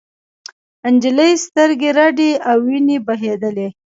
نجلۍ سترګې رډې او وینې بهېدلې.